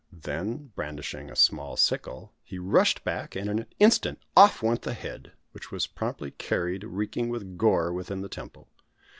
Then, brandishing a small sickle, he rushed back, and in an instant off went the head, which was promptly carried, reeking with gore, within the temple.